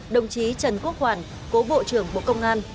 đồng chí trần quốc hoàn cố bộ trưởng bộ công an